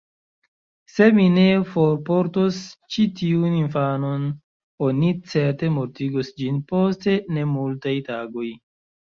Se mi ne forportos ĉi tiun infanon, oni certe mortigos ĝin post nemultaj tagoj.